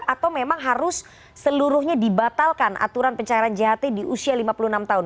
atau memang harus seluruhnya dibatalkan aturan pencairan jht di usia lima puluh enam tahun